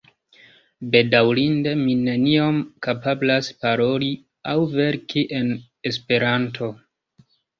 Bedaŭrinde mi neniom kapablas paroli aŭ verki en Esperanto.